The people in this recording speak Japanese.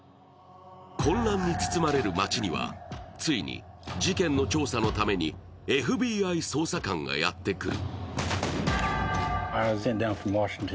混乱に包まれる街にはついに事件の調査のためにＦＢＩ捜査官がやってくる。